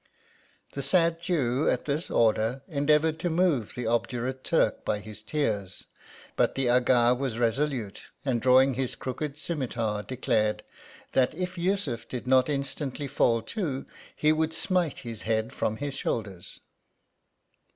The sad Jew, at this order, endeavoured to move the obdurate Turk by his tears ; but the Aga was resolute, and drawing his crooked cimetar, declared, "that if Yussuf did not instantly fall to, he would smite his head from his shoulders."